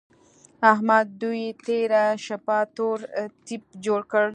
احمد دوی تېره شپه تور تيپ جوړ کړ.